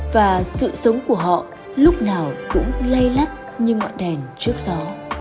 và sự sống của họ lúc nào cũng lây lắt như ngọn đèn trước gió